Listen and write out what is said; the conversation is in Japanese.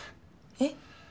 えっ？